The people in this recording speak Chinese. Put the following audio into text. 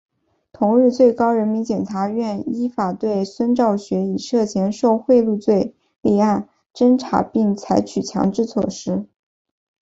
同日最高人民检察院依法对孙兆学以涉嫌受贿罪立案侦查并采取强制措施。